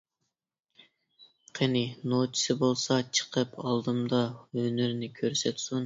قېنى نوچىسى بولسا چىقىپ ئالدىمدا ھۈنىرىنى كۆرسەتسۇن!